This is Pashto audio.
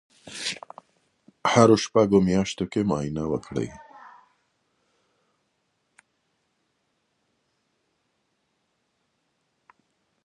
په هرو شپږو میاشتو کې معاینه وکړئ.